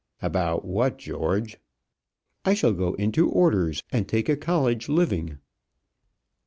"About what, George?" "I shall go into orders, and take a college living."